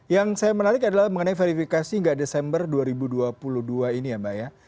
yang saya menarik adalah mengenai verifikasi nggak desember dua ribu dua puluh dua ini ya mbak ya